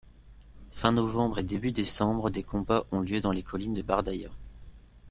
Fin novembre et début décembre, des combats ont lieu dans les collines de Bardaya.